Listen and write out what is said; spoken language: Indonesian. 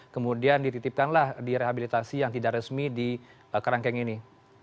kemudian dititipkanlah di rehabilitasi yang tidak resmi di kerangkeng ini